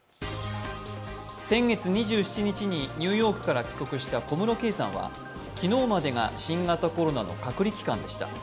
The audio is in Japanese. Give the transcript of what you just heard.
先月２７日にニューヨークから帰国した小室圭さんは昨日までが新型コロナの隔離期間でした。